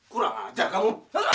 kurang ajar kamu